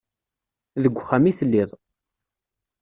Deg uxxam i telliḍ.